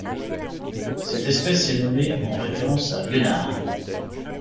Cette espèce est nommée en référence à Gunnar.